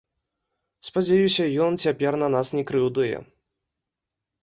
Спадзяюся, ён цяпер на нас не крыўдуе!